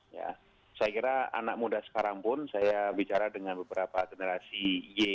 saya kira anak muda sekarang pun saya bicara dengan beberapa generasi y